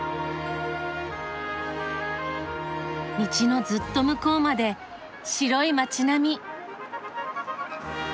道のずっと向こうまで白い街並み！